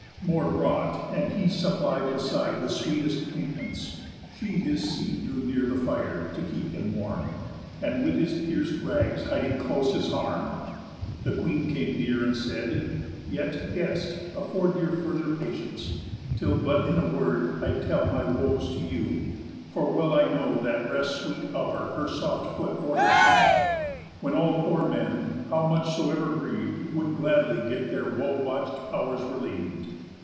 More brought, and he Supplied beside with sweetest ointments, she His seat drew near the fire, to keep him warm, And with his piec'd rags hiding close his harm. The Queen came near, and said: "Yet, guest, afford Your further patience, till but in a word I'll tell my woes to you; for well I know That Rest's sweet hour her soft foot orders now, When all poor men, how much soever griev'd, Would gladly get their woe watch'd pow'rs reliev'd.